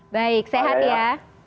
baik sehat ya